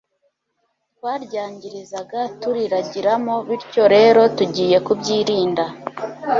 twaryangirizaga turiragiramo bityo rero tugiye kubyirinda